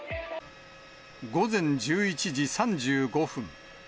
午前１１時３５分。